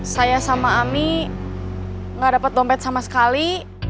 saya sama ami gak dapat dompet sama sekali